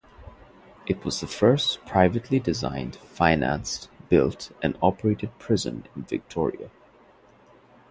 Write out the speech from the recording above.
It was the first privately designed, financed, built and operated prison in Victoria.